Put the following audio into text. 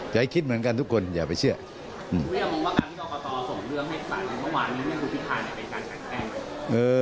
แต่คิดเหมือนกันทุกคนอย่าไปเชื่อ